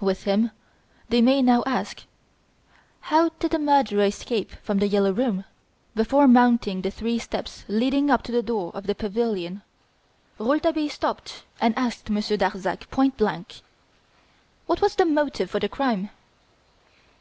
With him they may now ask: How did the murderer escape from "The Yellow Room"? Before mounting the three steps leading up to the door of the pavilion, Rouletabille stopped and asked Monsieur Darzac point blank: "What was the motive for the crime?"